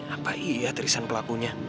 apa iya tristan pelakunya